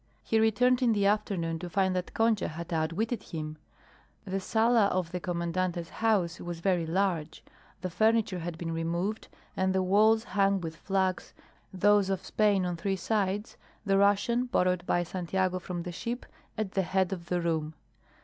He returned in the afternoon to find that Concha had outwitted him. The sala of the Commandante's house was very large. The furniture had been removed and the walls hung with flags, those of Spain on three sides, the Russian, borrowed by Santiago from the ship, at the head of the room.